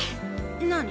何？